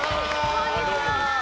こんにちは！